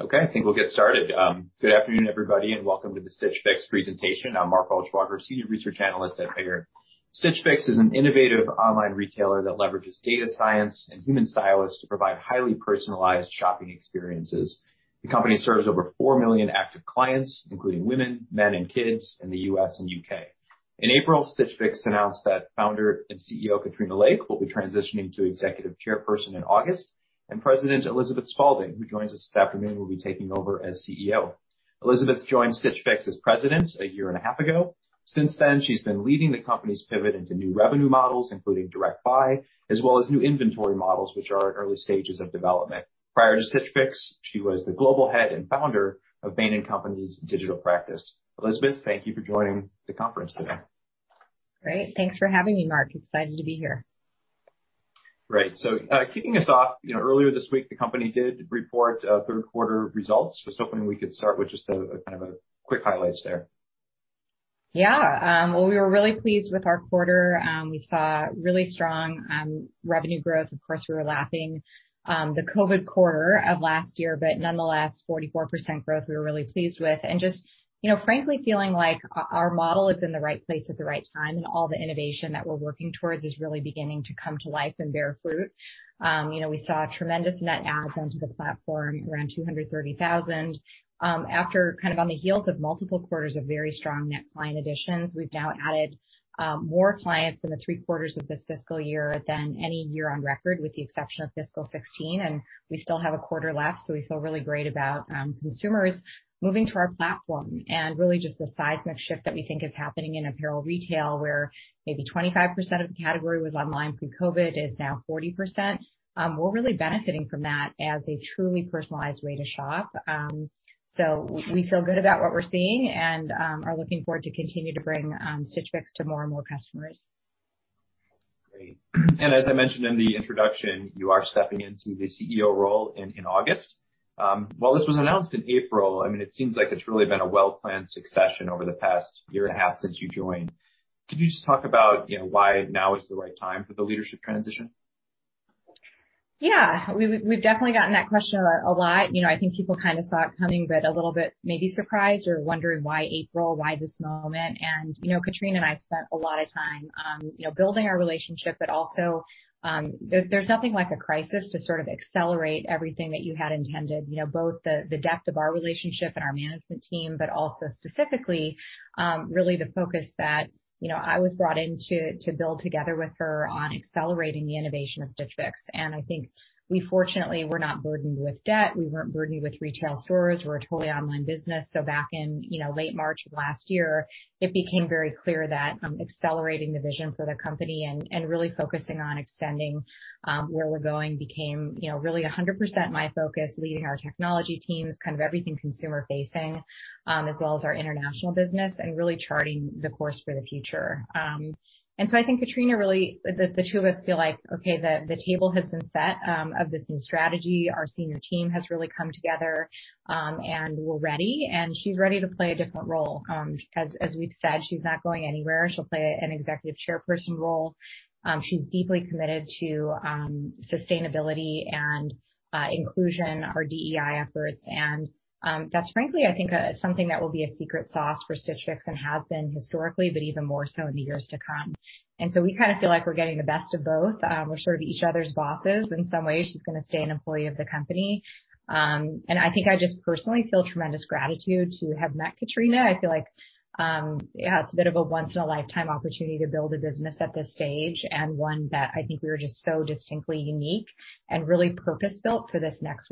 Okay, I think we'll get started. Good afternoon, everybody, and welcome to the Stitch Fix presentation. I'm Mark Altschwager, Senior Research Analyst at Baird. Stitch Fix is an innovative online retailer that leverages data science and human stylists to provide highly personalized shopping experiences. The company serves over 4 million active clients, including women, men, and kids in the U.S. and U.K. In April, Stitch Fix announced that Founder and CEO Katrina Lake will be transitioning to Executive Chairperson in August, and President Elizabeth Spaulding, who joins us this afternoon, will be taking over as CEO. Elizabeth joined Stitch Fix as president a year and a half ago. Since then, she's been leading the company's pivot into new revenue models, including Direct Buy, as well as new inventory models, which are in early stages of development. Prior to Stitch Fix, she was the global head and founder of Bain & Company's digital practice. Elizabeth, thank you for joining the conference today. Great. Thanks for having me, Mark. Excited to be here. Great. Kicking us off, earlier this week, the company did report third quarter results. I was hoping we could start with just kind of quick highlights there. Yeah. Well, we were really pleased with our quarter. We saw really strong revenue growth. Of course, we were lapping the COVID quarter of last year, but nonetheless, 44% growth we were really pleased with and just frankly feeling like our model is in the right place at the right time, and all the innovation that we're working towards is really beginning to come to life and bear fruit. We saw a tremendous net adds onto the platform, around 230,000. After, kind of on the heels of multiple quarters of very strong net client additions, we've now added more clients in the three quarters of this fiscal year than any year on record, with the exception of fiscal 2016, and we still have one quarter left, so we feel really great about consumers moving to our platform and really just the seismic shift that we think is happening in apparel retail, where maybe 25% of the category was online pre-COVID, is now 40%. We're really benefiting from that as a truly personalized way to shop. We feel good about what we're seeing and are looking forward to continue to bring Stitch Fix to more and more customers. Great. As I mentioned in the introduction, you are stepping into the CEO role in August. While this was announced in April, it seems like it's really been a well-planned succession over the past year and a half since you joined. Could you just talk about why now is the right time for the leadership transition? Yeah. We've definitely gotten that question a lot. I think people kind of saw it coming, but a little bit may be surprised or wondering why April, why this moment. Katrina and I spent a lot of time building our relationship, but also, there's nothing like a crisis to sort of accelerate everything that you had intended, both the depth of our relationship and our management team, but also specifically, really the focus that I was brought in to build together with her on accelerating the innovation of Stitch Fix. I think we fortunately were not burdened with debt. We weren't burdened with retail stores. We're a totally online business. Back in late March of last year, it became very clear that accelerating the vision for the company and really focusing on extending where we're going became really 100% my focus, leading our technology teams, kind of everything consumer facing, as well as our international business, and really charting the course for the future. I think Katrina really The two of us feel like, okay, the table has been set of this new strategy. Our senior team has really come together, and we're ready, and she's ready to play a different role. As we've said, she's not going anywhere. She'll play an executive chairperson role. She's deeply committed to sustainability and inclusion, our DEI efforts, and that's frankly, I think something that will be a secret sauce for Stitch Fix and has been historically, but even more so in the years to come. We kind of feel like we're getting the best of both. We're sort of each other's bosses in some ways. She's going to stay an employee of the company. I think I just personally feel tremendous gratitude to have met Katrina. I feel like, yeah, it's a bit of a once in a lifetime opportunity to build a business at this stage, and one that I think we are just so distinctly unique and really purpose-built for this next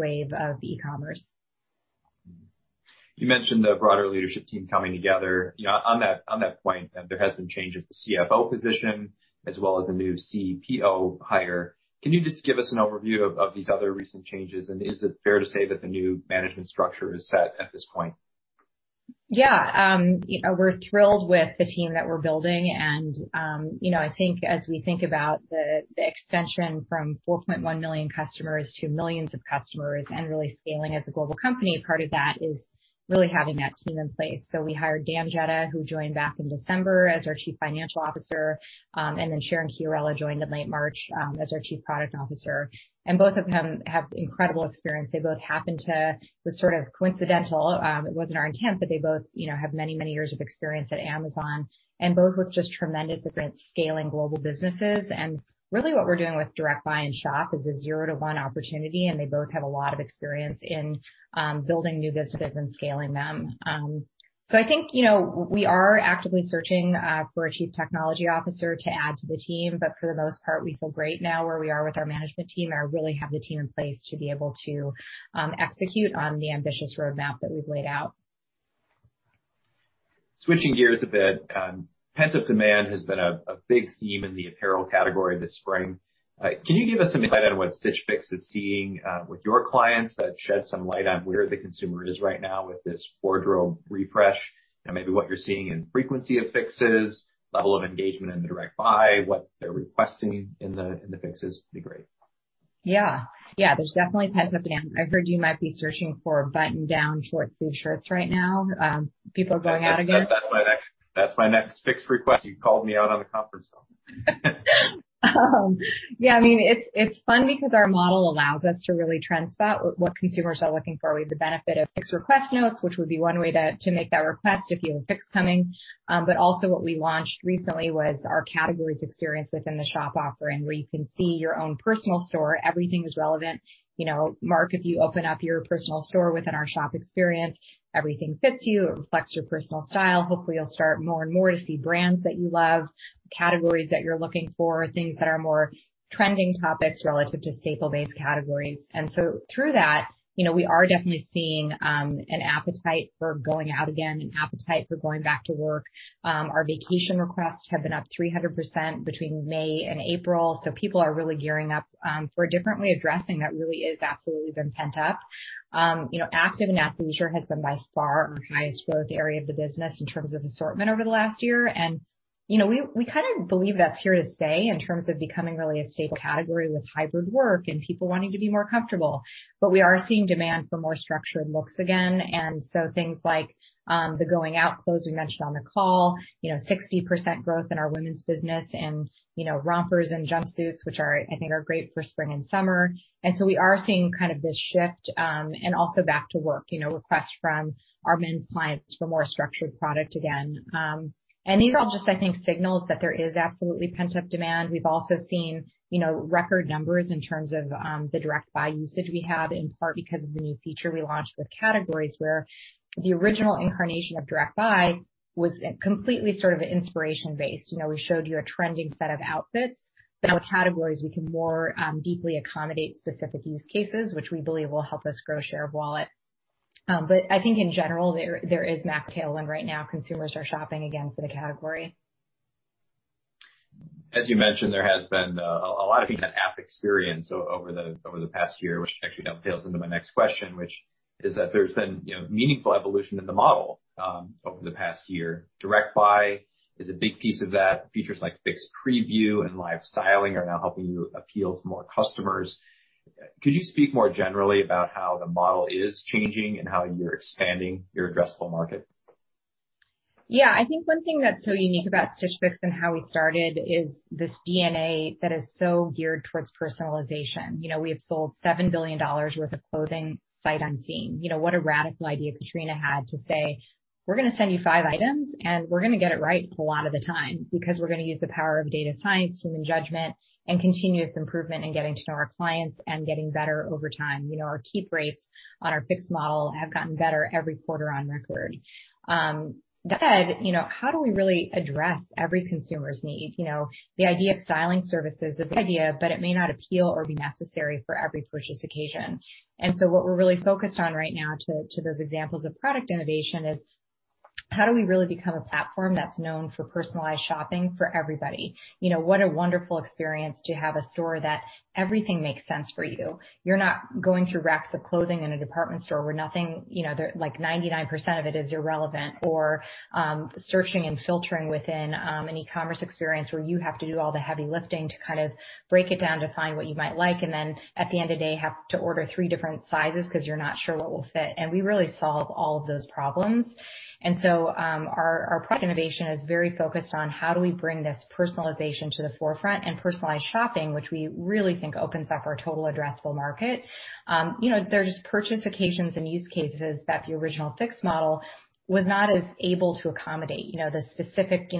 wave of e-commerce. You mentioned the broader leadership team coming together. On that point, there has been changes to CFO position as well as a new CPO hire. Can you just give us an overview of these other recent changes, is it fair to say that the new management structure is set at this point? Yeah. We're thrilled with the team that we're building, and I think as we think about the extension from 4.1 million customers to millions of customers and really scaling as a global company, part of that is really having that team in place. We hired Dan Jedda, who joined back in December as our Chief Financial Officer, and then Sharon Chiarella joined in late March, as our Chief Product Officer. Both of them have incredible experience. It's sort of coincidental, it wasn't our intent, but they both have many, many years of experience at Amazon, and both with just tremendous experience scaling global businesses. Really what we're doing with Direct Buy and Shop is a 0 to 1 opportunity, and they both have a lot of experience in building new businesses and scaling them. I think, we are actively searching for a Chief Technology Officer to add to the team. For the most part, we feel great now where we are with our management team and really have the team in place to be able to execute on the ambitious roadmap that we've laid out. Switching gears a bit, pent-up demand has been a big theme in the apparel category this spring. Can you give us some insight on what Stitch Fix is seeing with your clients that sheds some light on where the consumer is right now with this wardrobe refresh, and maybe what you're seeing in frequency of Fixes, level of engagement in the Direct Buy, what they're requesting in the Fixes, would be great? This definitely ties up again. I heard you might be searching for button-down short-sleeved shirts right now. People going out again. That's my next Fix request. You called me out on a conference call. It's funny because our model allows us to really trend spot what consumers are looking for with the benefit of Fix request notes, which would be one way to make that request if you have a Fix coming. What we launched recently was our categories experience within the Shop offering, where you can see your own personal store. Everything is relevant. Mark, if you open up your personal store within our Shop experience, everything fits you. It reflects your personal style. Hopefully, you'll start more and more to see brands that you love, categories that you're looking for, things that are more trending topics relative to staple-based categories. Through that, we are definitely seeing an appetite for going out again, an appetite for going back to work. Our vacation requests have been up 300% between May and April. People are really gearing up for differently dressing that really is absolutely been pent up. Active and athleisure has been by far our highest growth area of the business in terms of assortment over the last year. We kind of believe that's here to stay in terms of becoming really a staple category with hybrid work and people wanting to be more comfortable. We are seeing demand for more structured looks again. Things like the going-out clothes we mentioned on the call, 60% growth in our women's business and rompers and jumpsuits, which I think are great for spring and summer. We are seeing kind of this shift, and also back to work, requests from our men's clients for more structured product again. It all just, I think, signals that there is absolutely pent-up demand. We've also seen record numbers in terms of the Direct Buy usage we have, in part because of the new feature we launched with categories, where the original incarnation of Direct Buy was completely sort of inspiration-based. We showed you a trending set of outfits. Categories, we can more deeply accommodate specific use cases, which we believe will help us grow share of wallet. I think in general, there is an uptick right now. Consumers are shopping again for the category. As you mentioned, there has been a lot of things that app experience over the past year, which actually now tails into my next question, which is that there's been meaningful evolution in the model over the past year. Direct Buy is a big piece of that. Features like Fix Preview and Live Styling are now helping you appeal to more customers. Could you speak more generally about how the model is changing and how you're expanding your addressable market? Yeah. I think one thing that's really unique about Stitch Fix and how we started is this DNA that is so geared towards personalization. We've sold $7 billion worth of clothing sight unseen. What a radical idea Katrina had to say, "We're going to send you five items, and we're going to get it right a lot of the time, because we're going to use the power of data science, human judgment, and continuous improvement in getting to know our clients and getting better over time." Our keep rates on our Fix model have gotten better every quarter on record. That said, how do we really address every consumer's need? The idea of styling services is a good idea, but it may not appeal or be necessary for every purchase occasion. What we're really focused on right now to those examples of product innovation is how do we really become a platform that's known for personalized shopping for everybody? What a wonderful experience to have a store that everything makes sense for you. You're not going through racks of clothing in a department store where nothing, like 99% of it is irrelevant, or searching and filtering within an e-commerce experience where you have to do all the heavy lifting to kind of break it down to find what you might like and then at the end of the day, have to order three different sizes because you're not sure what will fit. We really solve all of those problems. Our product innovation is very focused on how do we bring this personalization to the forefront and personalized shopping, which we really think opens up our total addressable market. There's purchase occasions and use cases that the original Fix model was not as able to accommodate. The specific,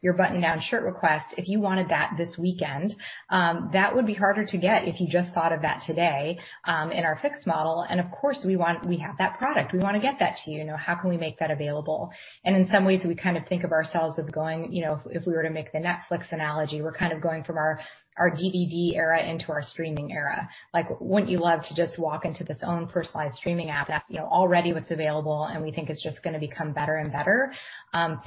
your button-down shirt request, if you wanted that this weekend, that would be harder to get if you just thought of that today in our Fix model. Of course, we have that product. We want to get that to you. How can we make that available? In some ways, we kind of think of ourselves as going, if we were to make the Netflix analogy, we're kind of going from our DVD era into our streaming era. Like, wouldn't you love to just walk into this own personalized streaming app that's already what's available, and we think it's just going to become better and better,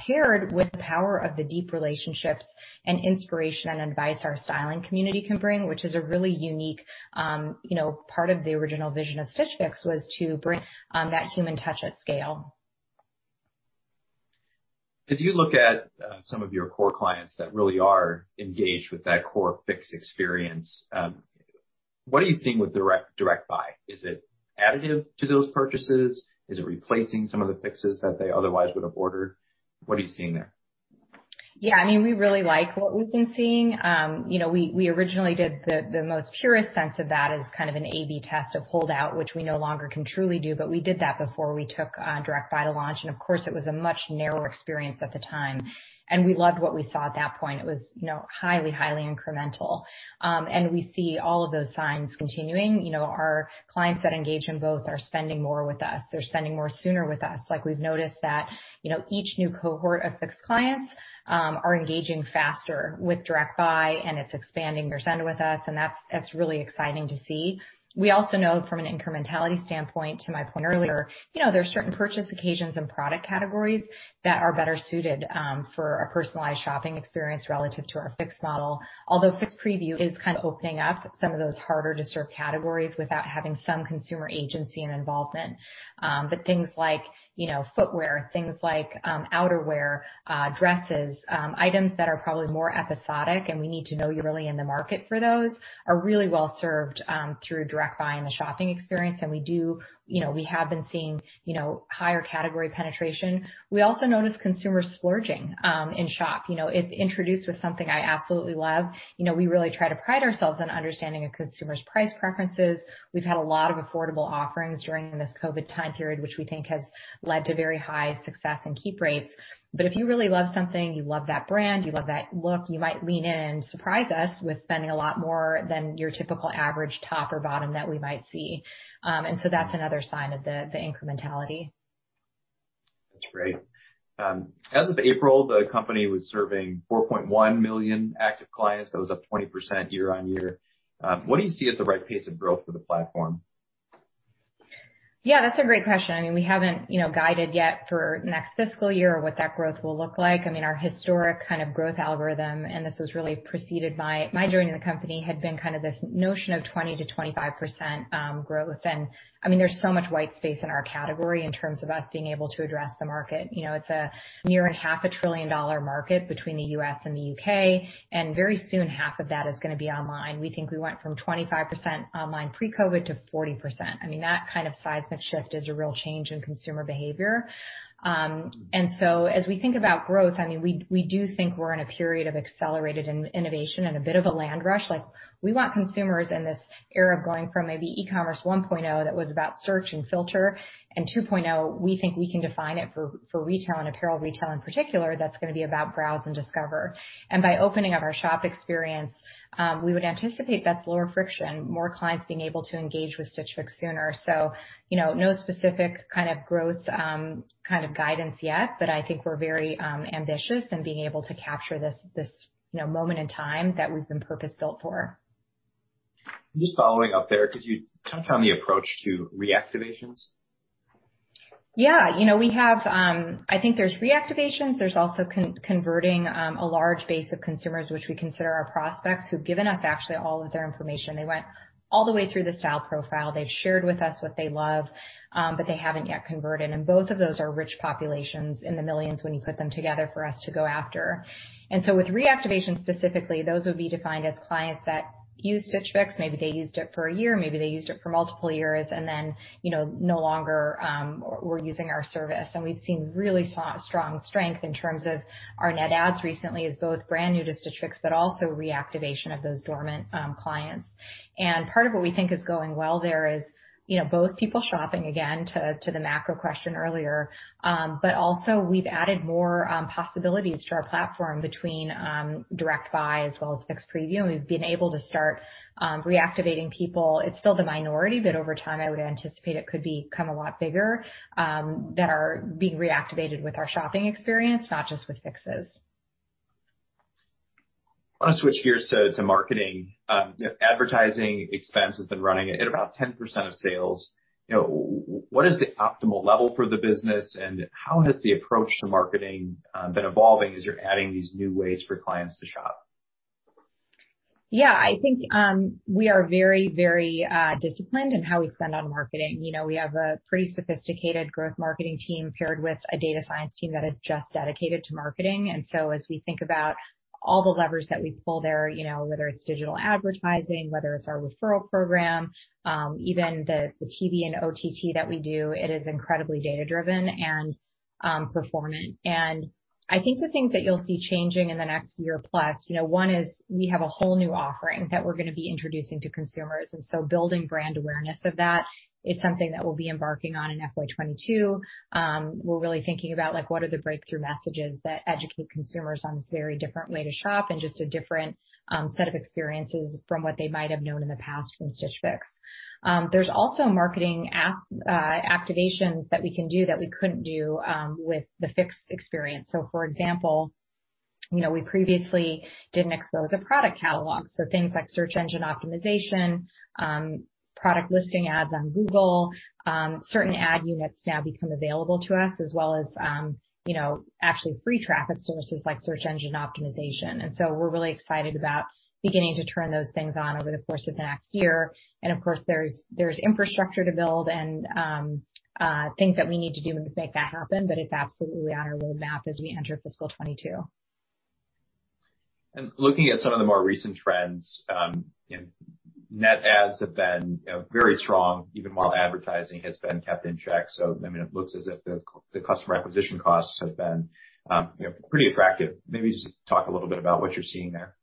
paired with the power of the deep relationships and inspiration and advice our styling community can bring, which is a really unique part of the original vision of Stitch Fix was to bring that human touch at scale. As you look at some of your core clients that really are engaged with that core Fix experience, what are you seeing with Direct Buy? Is it additive to those purchases? Is it replacing some of the Fixes that they otherwise would have ordered? What are you seeing there? Yeah. We really like what we've been seeing. We originally did the most purest sense of that as kind of an A/B test of holdout, which we no longer can truly do, but we did that before we took Direct Buy to launch, and of course, it was a much narrower experience at the time, and we loved what we saw at that point. It was highly incremental. We see all of those signs continuing. Our clients that engage in both are spending more with us. They're spending more sooner with us. Like we've noticed that each new cohort of Fix clients are engaging faster with Direct Buy, and it's expanding their spend with us, and that's really exciting to see. We also know from an incrementality standpoint, to my point earlier, there are certain purchase occasions and product categories that are better suited for a personalized shopping experience relative to our Fix model. Fix Preview is kind of opening up some of those harder-to-serve categories without having some consumer agency and involvement. Things like footwear, things like outerwear, dresses, items that are probably more episodic, and we need to know you're really in the market for those, are really well served through Direct Buy and the shopping experience. We have been seeing higher category penetration. We also notice consumers splurging in Shop. If introduced with something I absolutely love, we really try to pride ourselves on understanding a consumer's price preferences. We've had a lot of affordable offerings during this COVID time period, which we think has led to very high success and keep rates. If you really love something, you love that brand, you love that look, you might lean in and surprise us with spending a lot more than your typical average top or bottom that we might see. That's another sign of the incrementality. That's great. As of April, the company was serving 4.1 million active clients. That was up 20% year-on-year. What do you see as the right pace of growth for the platform? Yeah, that's a great question. We haven't guided yet for next fiscal year or what that growth will look like. Our historic kind of growth algorithm, and this was really preceded by my joining the company, had been kind of this notion of 20%-25% growth. There's so much white space in our category in terms of us being able to address the market. It's a near a half a trillion dollar market between the U.S. and the U.K., and very soon, half of that is going to be online. We think we went from 25% online pre-COVID to 40%. That kind of seismic shift is a real change in consumer behavior. As we think about growth, we do think we're in a period of accelerated innovation and a bit of a land rush. We want consumers in this era of going from maybe e-commerce 1.0 that was about search and filter, 2.0, we think we can define it for retail and apparel retail in particular, that's going to be about browse and discover. By opening up our shop experience, we would anticipate that's lower friction, more clients being able to engage with Stitch Fix sooner. No specific kind of growth kind of guidance yet, but I think we're very ambitious in being able to capture this moment in time that we've been purpose-built for. Just following up there, could you touch on the approach to reactivations? Yeah. I think there's reactivations. There's also converting a large base of consumers, which we consider our prospects, who've given us actually all of their information. They went all the way through the style profile. They've shared with us what they love, but they haven't yet converted, and both of those are rich populations, in the millions when you put them together, for us to go after. With reactivation specifically, those would be defined as clients that used Stitch Fix. Maybe they used it for a year, maybe they used it for multiple years, and then no longer were using our service. We've seen really strong strength in terms of our net adds recently as both brand new to Stitch Fix, but also reactivation of those dormant clients. Part of what we think is going well there is both people shopping again, to the macro question earlier, but also we've added more possibilities to our platform between Direct Buy as well as Fix Preview, and we've been able to start reactivating people. It's still the minority, but over time, I would anticipate it could become a lot bigger, that are being reactivated with our shopping experience, not just with Fixes. I want to switch gears to marketing. Advertising expense has been running at about 10% of sales. What is the optimal level for the business, and how has the approach to marketing been evolving as you're adding these new ways for clients to shop? Yeah, I think we are very disciplined in how we spend on marketing. We have a pretty sophisticated growth marketing team paired with a data science team that is just dedicated to marketing, and so as we think about all the levers that we pull there, whether it's digital advertising, whether it's our referral program, even the TV and OTT that we do, it is incredibly data-driven and performant. I think the things that you'll see changing in the next year plus, one is we have a whole new offering that we're going to be introducing to consumers, and so building brand awareness of that is something that we'll be embarking on in FY 2022. We're really thinking about what are the breakthrough messages that educate consumers on this very different way to shop and just a different set of experiences from what they might have known in the past from Stitch Fix. There's also marketing activations that we can do that we couldn't do with the Fix experience. For example, we previously didn't expose a product catalog. Things like search engine optimization, product listing ads on Google, certain ad units now become available to us as well as actually free traffic sources like search engine optimization. We're really excited about beginning to turn those things on over the course of next year. Of course, there's infrastructure to build and things that we need to do to make that happen, but it's absolutely on our roadmap as we enter fiscal 2022. Looking at some of the more recent trends, net adds have been very strong, even while advertising has been kept in check. It looks as if the customer acquisition costs have been pretty attractive. Maybe just talk a little bit about what you're seeing there.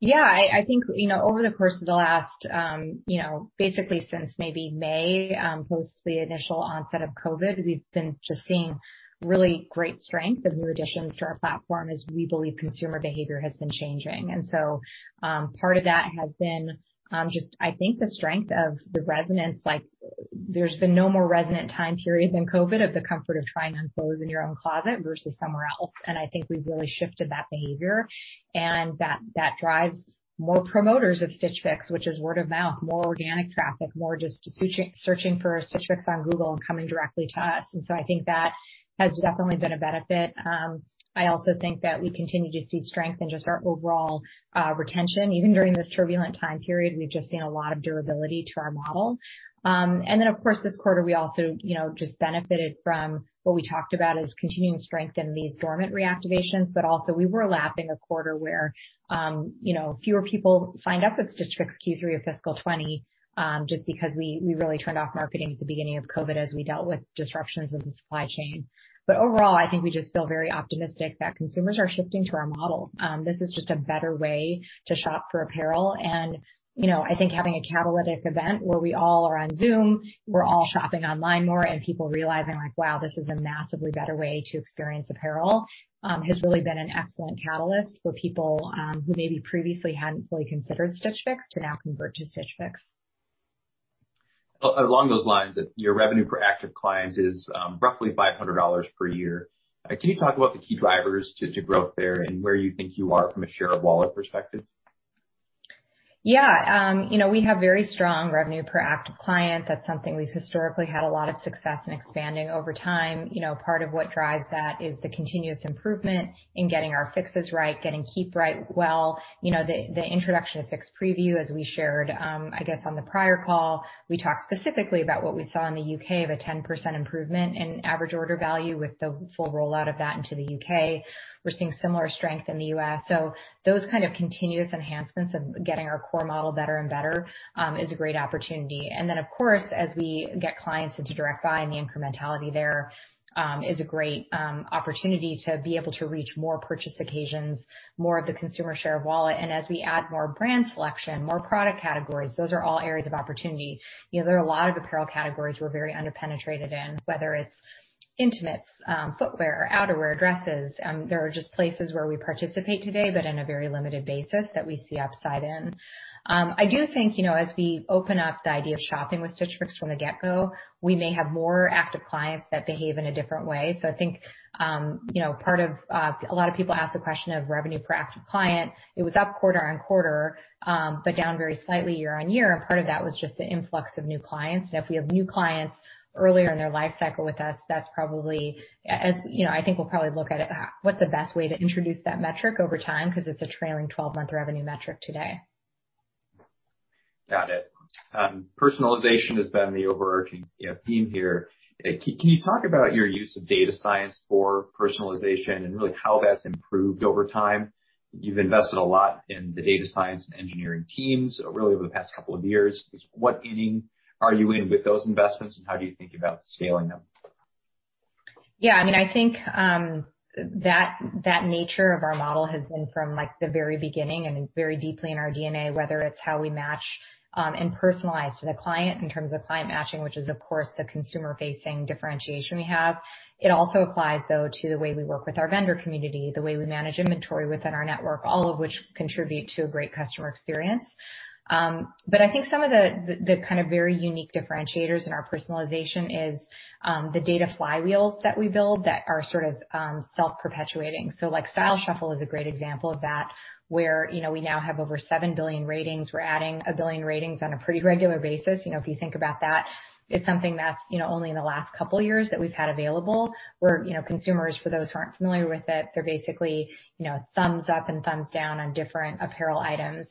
Yeah. I think over the course of the last, basically since maybe May, post the initial onset of COVID, we've been just seeing really great strength and new additions to our platform as we believe consumer behavior has been changing. Part of that has been just, I think the strength of the resonance, like there's been no more resonant time period than COVID of the comfort of trying on clothes in your own closet versus somewhere else, and I think we've really shifted that behavior, and that drives more promoters of Stitch Fix, which is word of mouth, more organic traffic, more just searching for Stitch Fix on Google and coming directly to us. I think that has definitely been a benefit. I also think that we continue to see strength in just our overall retention. Even during this turbulent time period, we've just seen a lot of durability to our model. Of course, this quarter, we also just benefited from what we talked about as continuing strength in these dormant reactivations, but also, we were lapping a quarter where fewer people signed up with Stitch Fix Q3 of fiscal 2020, just because we really turned off marketing at the beginning of COVID as we dealt with disruptions in the supply chain. Overall, I think we just feel very optimistic that consumers are shifting to our model. This is just a better way to shop for apparel, and I think having a catalytic event where we all are on Zoom, we're all shopping online more, and people realizing, like, "Wow, this is a massively better way to experience apparel," has really been an excellent catalyst for people who maybe previously hadn't fully considered Stitch Fix to now convert to Stitch Fix. Along those lines, your revenue per active client is roughly $500 per year. Can you talk about the key drivers to growth there and where you think you are from a share of wallet perspective? We have very strong revenue per active client. That's something we've historically had a lot of success in expanding over time. Part of what drives that is the continuous improvement in getting our Fixes right, getting keep rate well. The introduction of Fix Preview, as we shared, I guess, on the prior call, we talked specifically about what we saw in the U.K. of a 10% improvement in average order value with the full rollout of that into the U.K. We're seeing similar strength in the U.S. Those kind of continuous enhancements of getting our core model better and better is a great opportunity. Then, of course, as we get clients into Direct Buy and the incrementality there is a great opportunity to be able to reach more purchase occasions, more of the consumer share of wallet, and as we add more brand selection, more product categories, those are all areas of opportunity. There are a lot of apparel categories we're very under-penetrated in, whether it's intimates, footwear, outerwear, dresses. There are just places where we participate today, but in a very limited basis that we see upside in. I do think, as we open up the idea of shopping with Stitch Fix from the get-go, we may have more active clients that behave in a different way. I think a lot of people ask the question of revenue per active client. It was up quarter-over-quarter, but down very slightly year-over-year. Part of that was just the influx of new clients. If we have new clients earlier in their life cycle with us, I think we'll probably look at what's the best way to introduce that metric over time because it's a trailing 12-month revenue metric today. Got it. Personalization has been the overarching theme here. Can you talk about your use of data science for personalization and really how that's improved over time? You've invested a lot in the data science and engineering teams, really over the past couple of years. What inning are you in with those investments, and how do you think about scaling them? Yeah. I think that nature of our model has been from the very beginning and very deeply in our DNA, whether it's how we match and personalize to the client in terms of client matching, which is, of course, the consumer-facing differentiation we have. It also applies, though, to the way we work with our vendor community, the way we manage inventory within our network, all of which contribute to a great customer experience. I think some of the kind of very unique differentiators in our personalization is the data flywheels that we build that are sort of self-perpetuating. Style Shuffle is a great example of that, where we now have over 7 billion ratings. We're adding 1 billion ratings on a pretty regular basis. If you think about that, it's something that's only in the last couple of years that we've had available, where consumers, for those who aren't familiar with it, they're basically thumbs up and thumbs down on different apparel items.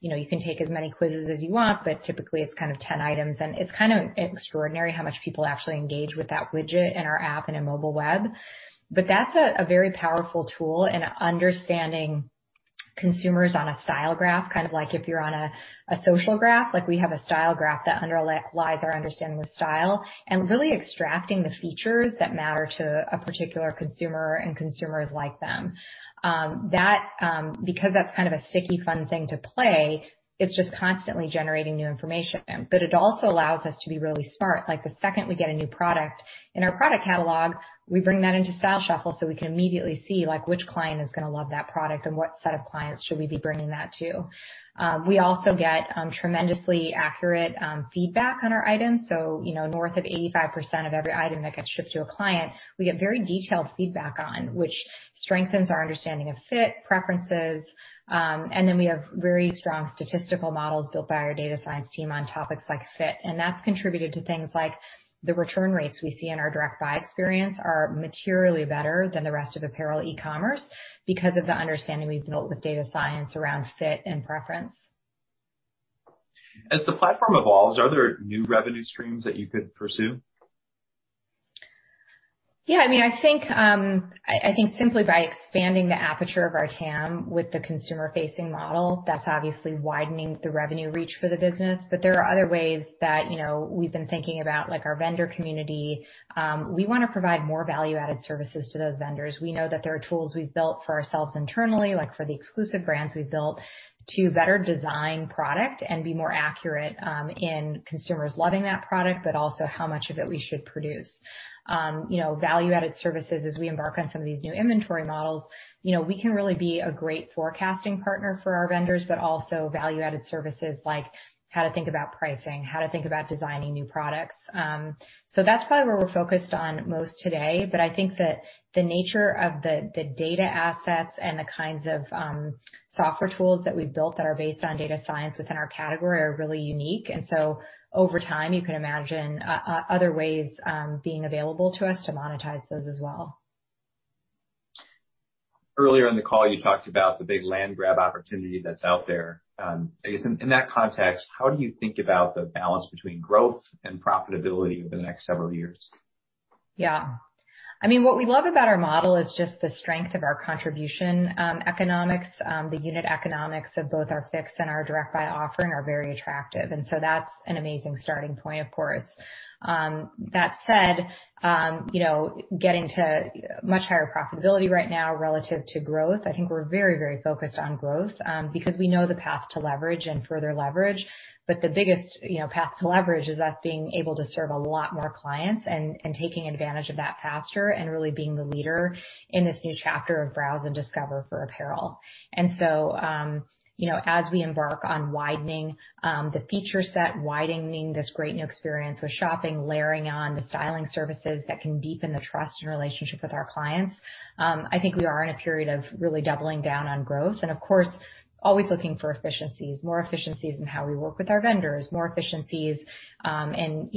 You can take as many quizzes as you want, but typically it's kind of 10 items, and it's kind of extraordinary how much people actually engage with that widget in our app and in mobile web. That's a very powerful tool in understanding consumers on a style graph, kind of like if you're on a social graph. We have a style graph that underlies our understanding of style and really extracting the features that matter to a particular consumer and consumers like them. That's kind of a sticky, fun thing to play, it's just constantly generating new information. It also allows us to be really smart. Like, the second we get a new product in our product catalog, we bring that into Style Shuffle so we can immediately see which client is going to love that product and what set of clients should we be bringing that to. We also get tremendously accurate feedback on our items. North of 85% of every item that gets shipped to a client, we get very detailed feedback on, which strengthens our understanding of fit, preferences. We have very strong statistical models built by our data science team on topics like fit, and that's contributed to things like the return rates we see in our Direct Buy experience are materially better than the rest of apparel e-commerce because of the understanding we've built with data science around fit and preference. As the platform evolves, are there new revenue streams that you could pursue? Yeah. I think simply by expanding the aperture of our TAM with the consumer-facing model, that's obviously widening the revenue reach for the business. There are other ways that we've been thinking about, like our vendor community. We want to provide more value-added services to those vendors. We know that there are tools we've built for ourselves internally, like for the exclusive brands we've built, to better design product and be more accurate in consumers loving that product, but also how much of it we should produce. Value-added services as we embark on some of these new inventory models. We can really be a great forecasting partner for our vendors, but also value-added services like how to think about pricing, how to think about designing new products. That's probably where we're focused on most today, but I think that the nature of the data assets and the kinds of software tools that we've built that are based on data science within our category are really unique. Over time, you can imagine other ways being available to us to monetize those as well. Earlier in the call, you talked about the big land grab opportunity that's out there. I guess, in that context, how do you think about the balance between growth and profitability over the next several years? Yeah. What we love about our model is just the strength of our contribution economics. The unit economics of both our Fix and our Direct Buy offering are very attractive, and so that's an amazing starting point, of course. That said, getting to much higher profitability right now relative to growth, I think we're very focused on growth because we know the path to leverage and further leverage. The biggest path to leverage is us being able to serve a lot more clients and taking advantage of that faster and really being the leader in this new chapter of browse and discover for apparel. As we embark on widening the feature set, widening this great experience with Shop, layering on the styling services that can deepen the trust and relationship with our clients, I think we are in a period of really doubling down on growth. Of course, always looking for efficiencies, more efficiencies in how we work with our vendors, more efficiencies and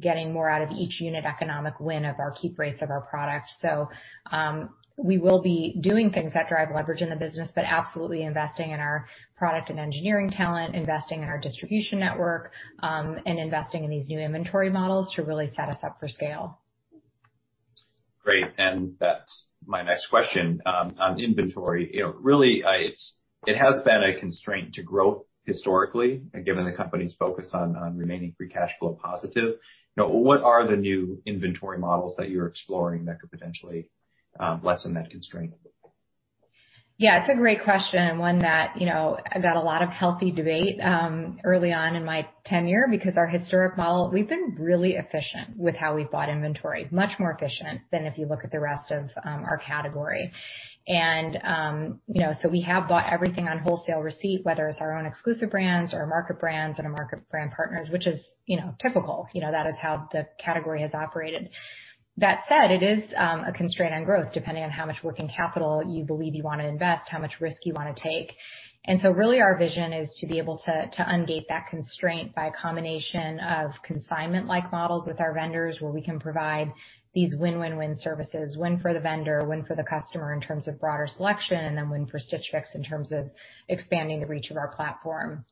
getting more out of each unit economic win of our keep breaks of our products. We will be doing things that drive leverage in the business, but absolutely investing in our product and engineering talent, investing in our distribution network, and investing in these new inventory models to really set us up for scale. Great. That's my next question on inventory. Really, it has been a constraint to growth historically, given the company's focus on remaining free cash flow positive. What are the new inventory models that you're exploring that could potentially lessen that constraint? Yeah, it's a great question, and one that I got a lot of healthy debate early on in my tenure because our historic model, we've been really efficient with how we've bought inventory, much more efficient than if you look at the rest of our category. We have bought everything on wholesale receipt, whether it's our own exclusive brands or market brands and our market brand partners, which is typical. That is how the category has operated. That said, it is a constraint on growth, depending on how much working capital you believe you want to invest, how much risk you want to take. Really our vision is to be able to undo that constraint by a combination of consignment-like models with our vendors where we can provide these win-win-win services, win for the vendor, win for the customer in terms of broader selection, win for Stitch Fix in terms of expanding the reach of our platform.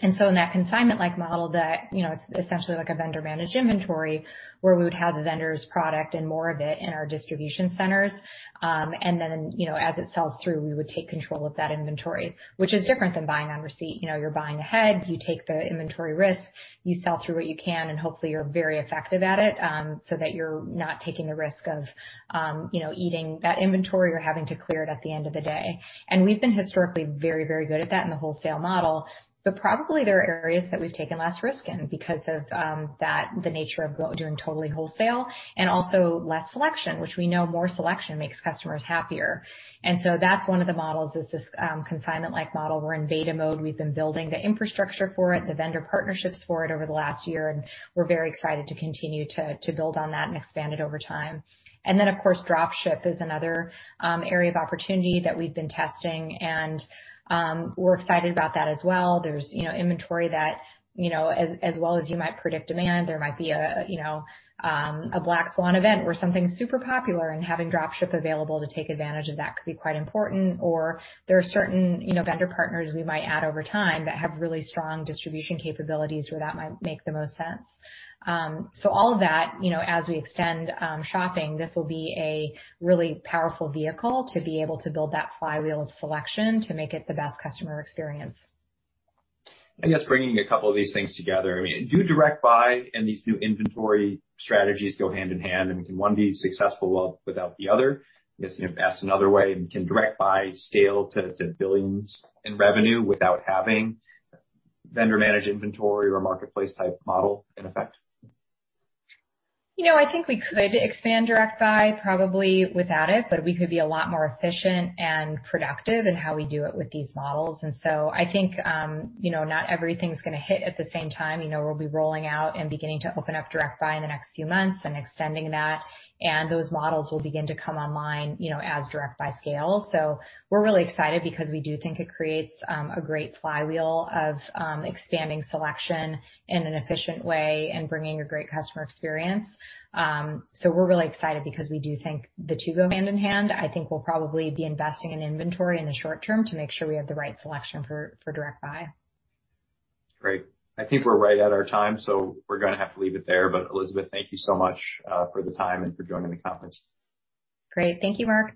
In that consignment-like model, it's essentially like a vendor-managed inventory where we would have the vendor's product and more of it in our distribution centers. As it sells through, we would take control of that inventory, which is different than buying on receipt. You're buying ahead, you take the inventory risk, you sell through what you can, and hopefully you're very effective at it, so that you're not taking the risk of eating that inventory or having to clear it at the end of the day. We've been historically very, very good at that in the wholesale model. Probably there are areas that we've taken less risk in because of the nature of doing totally wholesale and also less selection, which we know more selection makes customers happier. That's one of the models, is this consignment-like model. We're in beta mode. We've been building the infrastructure for it, the vendor partnerships for it over the last year, and we're very excited to continue to build on that and expand it over time. Then, of course, drop ship is another area of opportunity that we've been testing, and we're excited about that as well. There's inventory that, as well as you might predict demand, there might be a black swan event where something's super popular and having drop ship available to take advantage of that could be quite important. There are certain vendor partners we might add over time that have really strong distribution capabilities where that might make the most sense. All of that, as we extend shopping, this will be a really powerful vehicle to be able to build that flywheel of selection to make it the best customer experience. I guess bringing a couple of these things together. Do Direct Buy and these new inventory strategies go hand in hand and can one be successful without the other? I guess asked another way, can Direct Buy scale to billions in revenue without having vendor-managed inventory or marketplace type model in effect? I think we could expand Direct Buy probably without it, but we could be a lot more efficient and productive in how we do it with these models. I think not everything's going to hit at the same time. We'll be rolling out and beginning to open up Direct Buy in the next few months and extending that, and those models will begin to come online as Direct Buy scales. We're really excited because we do think it creates a great flywheel of expanding selection in an efficient way and bringing a great customer experience. We're really excited because we do think the two go hand in hand. I think we'll probably be investing in inventory in the short term to make sure we have the right selection for Direct Buy. Great. I think we're right at our time. We're going to have to leave it there. Elizabeth, thank you so much for the time and for joining the conference. Great. Thank you, Mark.